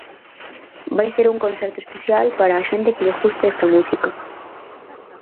Vai ser un concerto especial para a xente que lle gusta esta música.